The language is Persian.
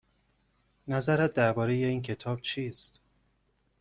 نظرت درباره این کتاب چیست؟